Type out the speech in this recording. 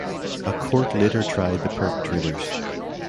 A court later tried the perpetrators.